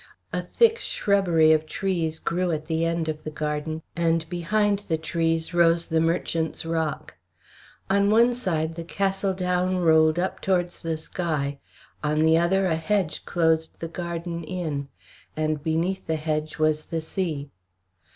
A thick shrubbery of trees grew at the end of the garden, and behind the trees rose the Merchant's Rock. On one side the Castle Down rolled up towards the sky, on the other a hedge closed the garden in, and beneath the hedge was the sea.